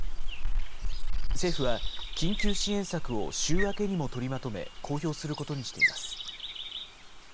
政府は、緊急支援策を週明けにも取りまとめ、公表することにしています。